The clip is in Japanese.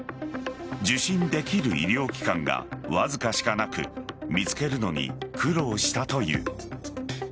受診できる医療機関がわずかしかなく見つけるのに苦労したという。